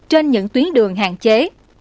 trên những tuyến đường hạn chế